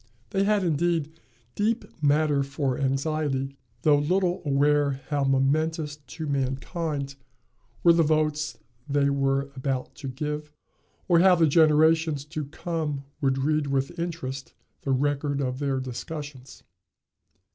They had, indeed, deep matter for anxiety, though little aware how momentous to mankind were the votes they were about to give, or how the generations to come would read with interest the record of their discussions.